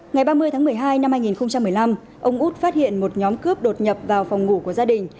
ngày ba mươi tháng một mươi hai năm hai nghìn một mươi năm ông út phát hiện một nhóm cướp đột nhập vào phòng ngủ của gia đình